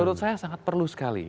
menurut saya sangat perlu sekali